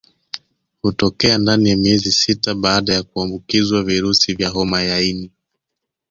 Hutokea ndani ya miezi sita baada kuambukizwa virusi vya homa ya ini